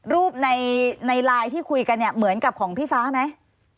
รูปในไลน์ที่คุยกันเนี่ยเหมือนกับของพี่ฟ้าไหม